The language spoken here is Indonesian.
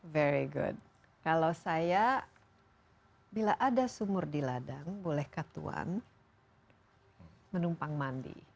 very good kalau saya bila ada sumur di ladang boleh katuan menumpang mandi